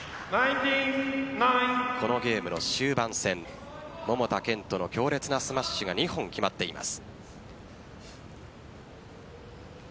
このゲームの終盤戦桃田賢斗の強烈なスマッシュが２本決まっています。